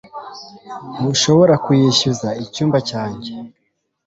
ntushobora kuyishyuza icyumba cyanjye